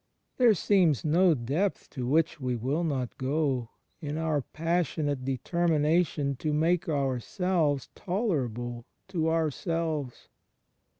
There seems no depth to which we will not go, in our passionate deter mination to make ourselves tolerable to ourselves.